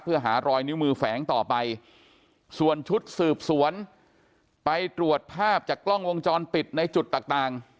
เพื่อหารอยนิ้วมือแฝงต่อไปส่วนชุดสืบสวนไปตรวจภาพจากกล้องวงจรปิดในจุดต่าง